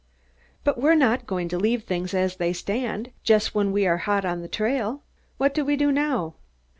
"But we're not going to leave things as they stand, just when we are hot on the trail. What do we do now?"